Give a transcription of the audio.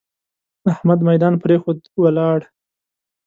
احمد ميدان پرېښود؛ ولاړ.